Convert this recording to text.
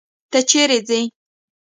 ته چيري ځې؟